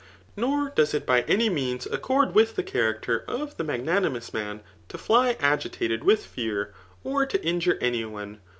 N6r dqes it by aiqr means ae cMed with the eharaeter of the magnanimous man to^iy^ ag^ed [yith £ear,3 or to injure any one.